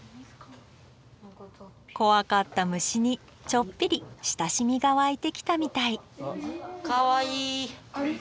怖かった虫にちょっぴり親しみが湧いてきたみたいかわいい！